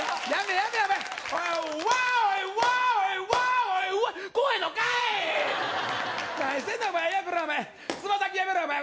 やめろお前